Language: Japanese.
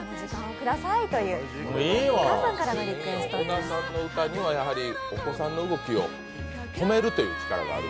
小田さんの歌にはお子さんの動きを止める力がある。